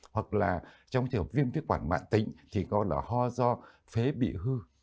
hoặc là trong tiểu viêm viết quản mạng tính thì gọi là ho do phế bị hư